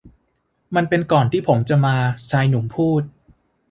มันเป็นก่อนที่ผมจะมา ชายหนุ่มพูด